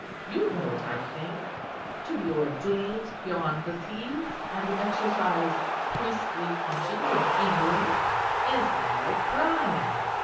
"You know what I think. To be ordained beyond the seas and to exercise priestly functions in England is now a crime.